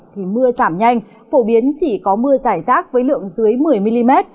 thì mưa giảm nhanh phổ biến chỉ có mưa giải rác với lượng dưới một mươi mm